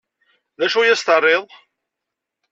D acu i as-terriḍ?